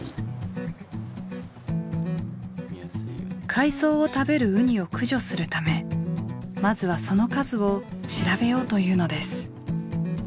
海藻を食べるウニを駆除するためまずはその数を調べようというのです。